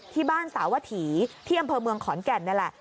ที่บ้านสาวถีที่อำเภอเมืองขอนแก่นนี่แหละ